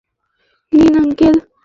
নিন, আঙ্কেল।